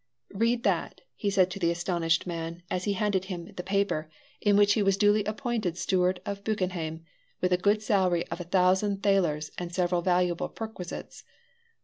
"Read that," he said to the astonished man as he handed him the paper in which he was duly appointed steward of Buchenhaim, with a good salary of a thousand thalers and several valuable perquisites.